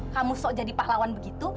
kamu sok jadi pahlawan begitu